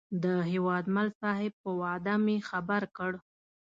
د هیوادمل صاحب په وعده مې خبر کړ.